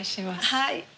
はい。